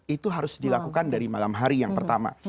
itu harus dilakukan dari malam hari yang pertama